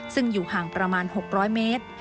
ซึ่งอยู่ห่างประมาณ๖๐๐เมตร